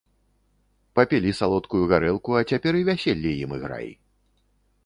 Папілі салодкую гарэлку, а цяпер і вяселле ім іграй.